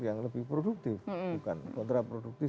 yang lebih produktif bukan kontraproduktif